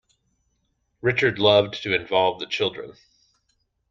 Richard loved to involve the children.